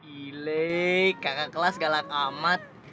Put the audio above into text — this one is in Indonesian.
ile karena kelas galak amat